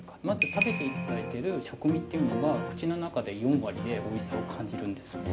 まず食べていただいている食味というのは口の中で４割でおいしさを感じるんです。